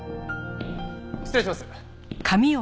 失礼します。